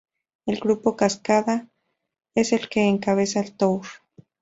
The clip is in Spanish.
El grupo Cascada es el que encabeza el tour.